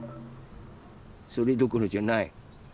それどころじゃない。